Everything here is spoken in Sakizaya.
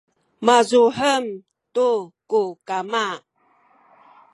mazuhem tu ku kama